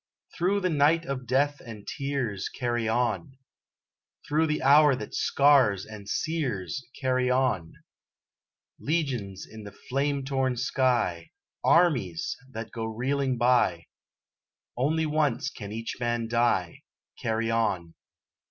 Through the night of death and tears, Carry on! Through the hour that scars and sears, Carry on! Legions in the flame torn sky, Armies that go reeling by, Only once can each man die; Carry on!